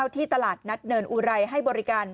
ที่ตลาดนัดเนินอุไรให้บริการ